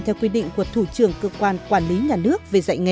theo quy định của thủ trưởng cơ quan quản lý nhà nước về dạy nghề